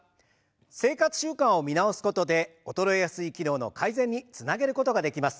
生活習慣を見直すことで衰えやすい機能の改善につなげることができます。